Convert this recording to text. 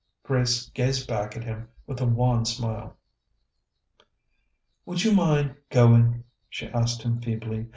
Grace gazed back at him with a wan smile. "Would you mind going?" she asked him feebly.